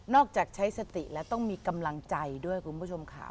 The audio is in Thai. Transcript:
จากใช้สติและต้องมีกำลังใจด้วยคุณผู้ชมค่ะ